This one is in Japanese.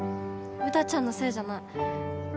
ウタちゃんのせいじゃない。